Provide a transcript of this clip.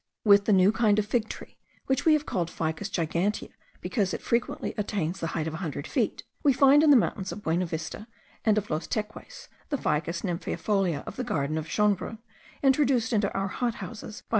With the new kind of fig tree (which we have called Ficus gigantea, because it frequently attains the height of a hundred feet), we find in the mountains of Buenavista and of Los Teques, the Ficus nymphaeifolia of the garden of Schonbrunn, introduced into our hot houses by M.